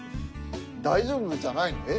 大丈夫じゃないの？